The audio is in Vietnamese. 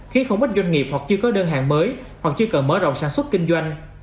khiến không ít doanh nghiệp hoặc chưa có đơn hàng mới hoặc chưa cần mở rộng sản xuất kinh doanh